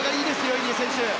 入江選手。